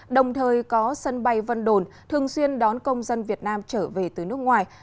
đồng thời có sân bay vân đồn thường xuyên đón công dân việt nam trở về từ nước ngoài